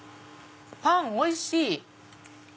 パンおいしい！